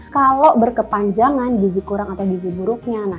kalau berkepanjangan gizi kurang atau gizi buruknya